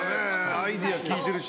アイデアきいてるし。